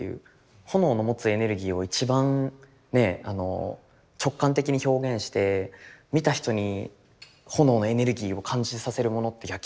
炎の持つエネルギーを一番直感的に表現して見た人に炎のエネルギーを感じさせるものって焼き物だよなみたいな。